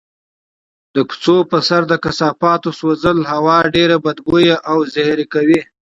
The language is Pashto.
د کوڅو په سر د کثافاتو سوځول هوا ډېره بدبویه او زهري کوي.